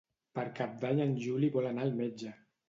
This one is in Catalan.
Per Cap d'Any en Juli vol anar al metge.